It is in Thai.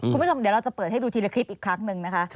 คุณผู้ชมเดี๋ยวเราจะเปิดให้ดูทีละคลิปอีกครั้งหนึ่งนะคะ